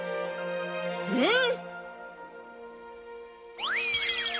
うん！